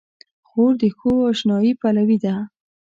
خور د ښو اشنايي پلوي ده.